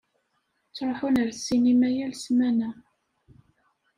Ttṛuḥun ar ssinima yal ssmana.